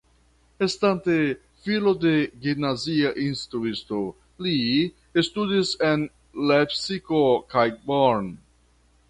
Estante filo de gimnazia instruisto li studis en Lepsiko kaj Bonn.